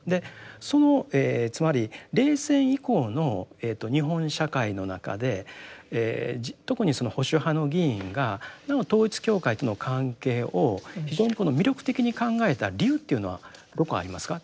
そのつまり冷戦以降の日本社会の中で特にその保守派の議員がなお統一教会との関係を非常に魅力的に考えた理由というのはどこありますか。